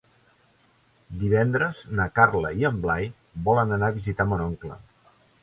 Divendres na Carla i en Blai volen anar a visitar mon oncle.